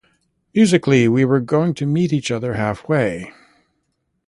Musically we were going to meet each other half way.